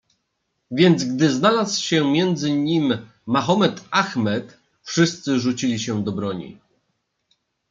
Więc gdy znalazł się między nim Mahommed-Achmed wszyscy rzucili się do broni.